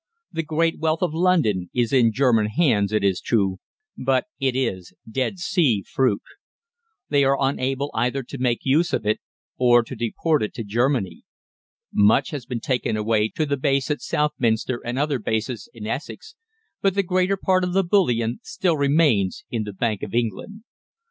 The great wealth of London is in German hands, it is true, but it is Dead Sea fruit. They are unable either to make use of it or to deport it to Germany. Much has been taken away to the base at Southminster and other bases in Essex, but the greater part of the bullion still remains in the Bank of England.